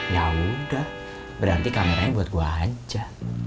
yaudah berarti kameranya buat gue aja